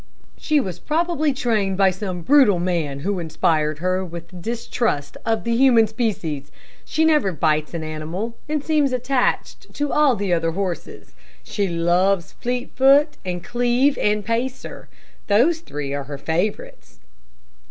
"She was probably trained by some brutal man who inspired her with distrust of the human species. She never bites an animal, and seems attached to all the other horses. She loves Fleetfoot and Cleve and Pacer. Those three are her favorites."